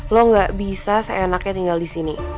lo gak bisa seenaknya tinggal disini